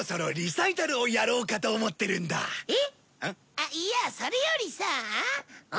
あっいやそれよりさあ。